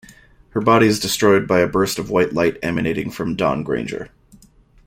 Her body is destroyed by a burst of white light emanating from Dawn Granger.